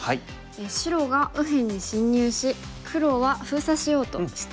白が右辺に侵入し黒は封鎖しようとしてできた局面です。